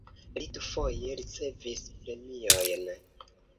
Li dufoje ricevis premiojn.